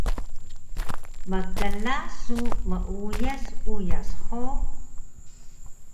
Mkla su meuyas uyas hug?